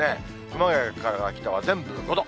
熊谷から北は全部５度。